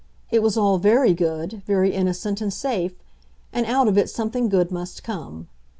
It was all very good, very innocent and safe, and out of it something good must come.